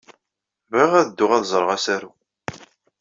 Bɣiɣ ad dduɣ ad ẓreɣ asaru.